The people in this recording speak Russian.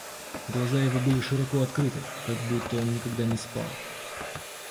Глаза его были широко открыты, как будто он никогда не спал.